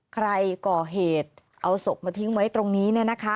ใครก่อเหตุเอาศพมาทิ้งไว้ตรงนี้